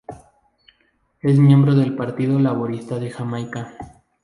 Es miembro del Partido Laborista de Jamaica.